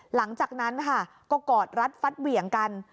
หลังจากนั้นค่ะก็กอดรัดฟัดเหวี่ยงกัน